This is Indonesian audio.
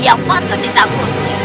yang patut ditakuti